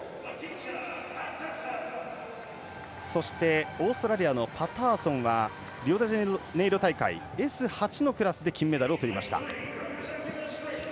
そして、オーストラリアのパターソンはリオデジャネイロ大会Ｓ８のクラスで金メダルをとりました。